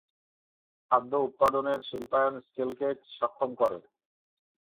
খাদ্য উৎপাদনের শিল্পায়ন স্কেলকে সক্ষম করে।